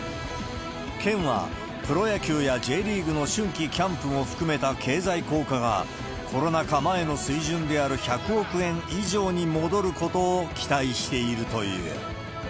県は、プロ野球やＪリーグの春季キャンプも含めた経済効果が、コロナ禍前の水準である１００億円以上に戻ることを期待しているという。